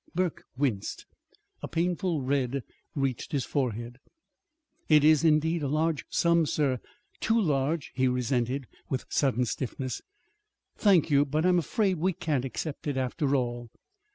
Burke winced. A painful red reached his forehead. "It is, indeed, a large sum, sir, too large," he resented, with sudden stiffness. "Thank you; but I'm afraid we can't accept it, after all."